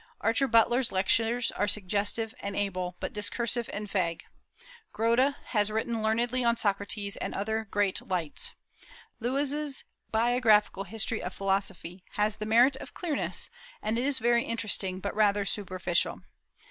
Archer Butler's Lectures are suggestive and able, but discursive and vague. Grote has written learnedly on Socrates and the other great lights. Lewes's Biographical History of Philosophy has the merit of clearness, and is very interesting, but rather superficial.